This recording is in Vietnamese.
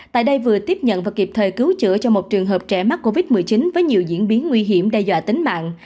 tại đây vừa tiếp nhận và kịp thời cứu chữa cho một trường hợp trẻ mắc covid một mươi chín với nhiều diễn biến nguy hiểm đe dọa tính mạng